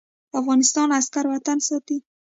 د افغانستان عسکر وطن ساتي